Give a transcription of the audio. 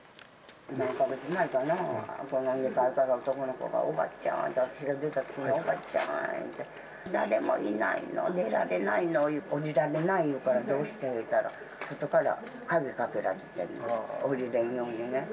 何か月前かな、男の子が、おばちゃん、私が出たときに、おばちゃんって言って、誰もいないの、出られないの、下りられない言うから、どうしてと言うたら、外から鍵かけられて、下りれんようにね。